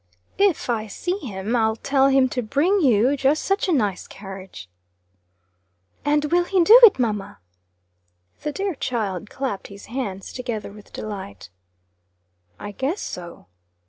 "If I see him, I'll tell him to bring you just such a nice carriage." "And will he do it, mamma?" The dear child clapped his hands together with delight. "I guess so."